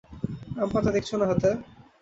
আমপাতা দেখছ না হাতে?